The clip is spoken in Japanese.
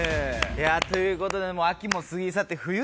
ということで秋も過ぎ去って冬ですよ。